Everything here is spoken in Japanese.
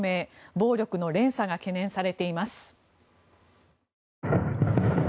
暴力の連鎖が懸念されています。